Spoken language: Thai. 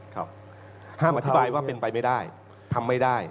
ห้ามอธิบายว่าเป็นไปไม่ได้ทำไม่ได้